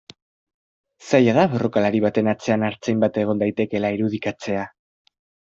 Zaila da borrokalari baten atzean artzain bat egon daitekeela irudikatzea.